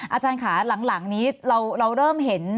อาจารย์ค่ะหลังนี้เราเริ่มเห็น